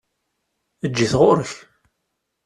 Eǧǧ-it ɣuṛ-k!